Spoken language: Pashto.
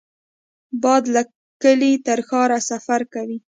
باد له کلي تر ښار سفر کوي